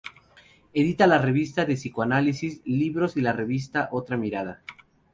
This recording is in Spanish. Edita la Revista de Psicoanálisis, libros y la revista Otra mirada.